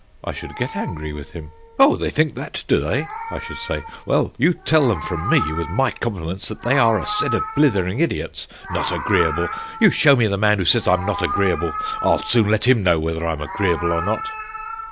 I should get angry with him. "Oh, they think that, do they?" I should say. "Well, you tell them from me, with my compliments, that they are a set of blithering idiots. Not agreeable! You show me the man who says I'm not agreeable. I'll soon let him know whether I'm agreeable or not."